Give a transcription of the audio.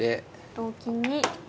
同金に。